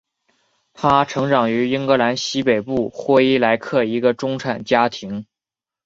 她成长于英格兰西北部霍伊莱克一个中产家庭。